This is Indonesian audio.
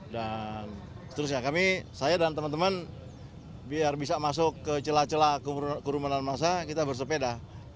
dan seterusnya kami saya dan teman teman biar bisa masuk ke celah celah kurumanan masa kita bersepeda